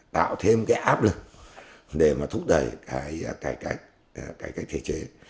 tạo thêm cái áp lực để mà thúc đẩy cải cách thể chế